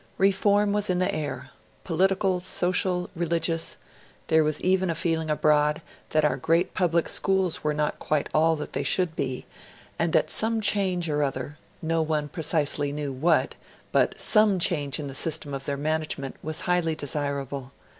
Reform was in the air political, social, religious; there was even a feeling abroad that our great public schools were not quite all that they should be, and that some change or other no one precisely knew what but some change in the system of their management, was highly desirable.